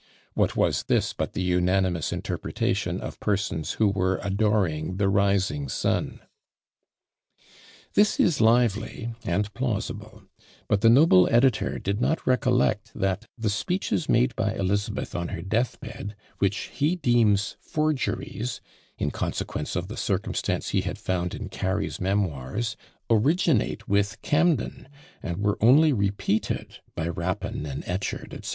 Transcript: What was this but the unanimous interpretation of persons who were adoring the rising sun?" This is lively and plausible; but the noble editor did not recollect that "the speeches made by Elizabeth on her death bed," which he deems "forgeries," in consequence of the circumstance he had found in Cary's Memoirs, originate with Camden, and were only repeated by Rapin and Echard, &c.